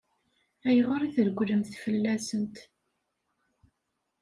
Ayɣer i tregglemt fell-asent?